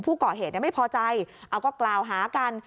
ผู้ก่อเหตุไม่พอใจเอาก็กล่าวหากัน